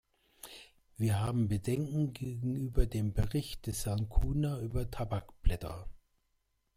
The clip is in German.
Wir haben Bedenken gegenüber dem Bericht des Herrn Cunha über Tabakblätter.